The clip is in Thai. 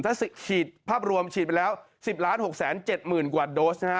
ถ้าฉีดภาพรวมฉีดไปแล้ว๑๐๖๗๐๐๐กว่าโดสนะฮะ